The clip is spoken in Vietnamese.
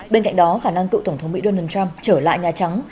bên cạnh đó khả năng cựu tổng thống mỹ donald trump trở lại nhà trắng